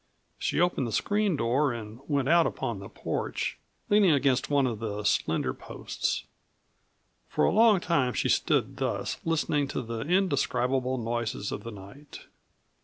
She opened the screen door and went out upon the porch, leaning against one of the slender posts. For a long time she stood thus, listening to the indescribable noises of the night.